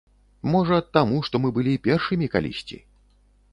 Можа, таму што мы былі першымі калісьці?